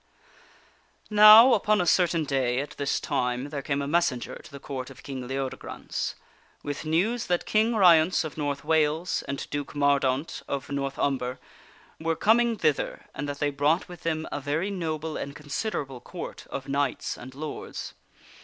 NOW, upon a certain day at this time there came a messenger to the Court of King Leodegrance, with news that King Ryence of North Wales and Duke Mordaunt of North Umber were com ing thither and that they brought with them a very noble and considerable Court of knights and lords.